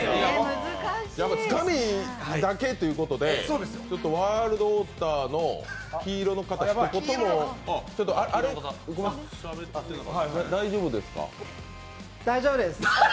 やっぱつかみだけということで、ワールドヲーターの黄色の方、ひと言もあれ大丈夫ですか？